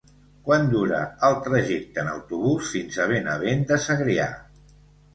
Quant dura el trajecte en autobús fins a Benavent de Segrià?